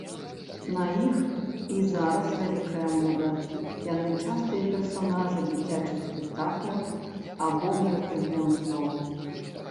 На іх і зараз вялікая мода, яны частыя персанажы дзіцячых спектакляў або мерапрыемстваў.